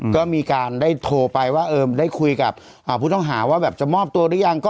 ก็มีการได้โทรไปว่าได้คุยกับผู้ต้องหาว่าแบบจะมอบตัวหรือยัง